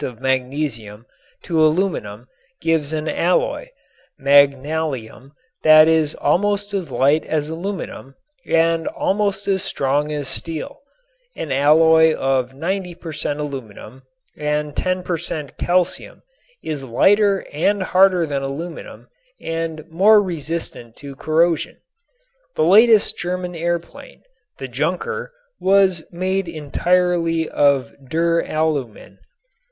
of magnesium to aluminum gives an alloy (magnalium) that is almost as light as aluminum and almost as strong as steel. An alloy of 90 per cent. aluminum and 10 per cent. calcium is lighter and harder than aluminum and more resistant to corrosion. The latest German airplane, the "Junker," was made entirely of duralumin.